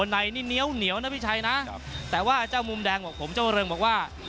นายนี่เนี้ยวเหนียวนะพี่ชัยนะครับแต่ว่าเจ้ามูมแดงบอกผมเจ้ารุ่งบอกว่า